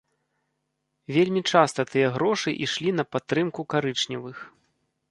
Вельмі часта тыя грошы ішлі на падтрымку карычневых.